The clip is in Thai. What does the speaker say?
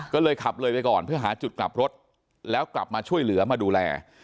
ก็เลยขับเลยไปก่อนเพื่อหาจุดกลับรถแล้วกลับมาช่วยเหลือมาดูแล